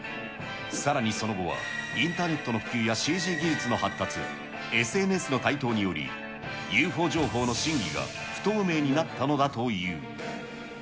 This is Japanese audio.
さらにその後は、インターネットの普及やＣＧ技術の発達、ＳＮＳの台頭により、ＵＦＯ情報の真偽が不透明になったのだという。